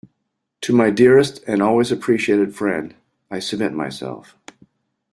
To my dearest and always appreciated friend, I submit myself.